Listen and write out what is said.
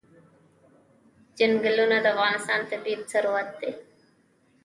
چنګلونه د افغانستان طبعي ثروت دی.